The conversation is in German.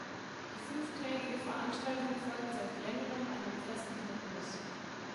Die fünftägige Veranstaltung folgt seit längerem einem festen Rhythmus.